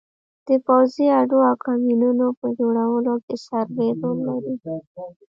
د پوځي اډو او کمینونو په جوړولو کې سروې رول لري